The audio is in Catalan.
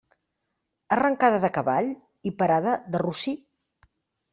Arrancada de cavall i parada de rossí.